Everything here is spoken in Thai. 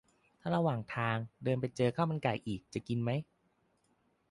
ถ้าระหว่างทาง เดินไปเจอข้าวมันไก่อีก จะกินไหม ?